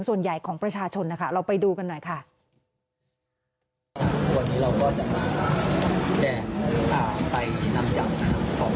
โอ้โอ้ไอ้เป็นท่านศาสนาฬะนะอันนี้มันเป็นหน่วยจบินตลาดของคน